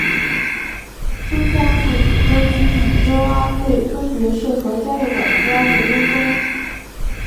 周家父子周金与周阿瑞分别是何家的管家和佣工。